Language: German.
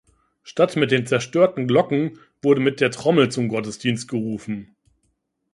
Statt mit den zerstörten Glocken, wurde mit der Trommel zum Gottesdienst gerufen.